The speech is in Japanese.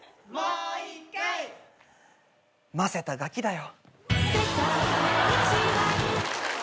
ませたガキだよ。